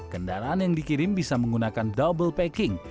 kendaraan yang dikirim bisa menggunakan double packing